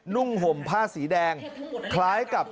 นุ่งห่มผ้าสีแดงคล้ายกับ